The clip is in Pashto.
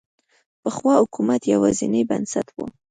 پخوا حکومت یوازینی بنسټ و.